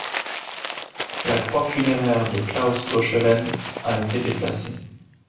La croix funéraire de Claus Bochelen a été déplacée.